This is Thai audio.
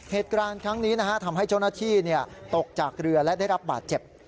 เหตุการณ์ครั้งนี้ทำให้เจ้าหน้าที่ตกจากเรือและได้รับบาดเจ็บ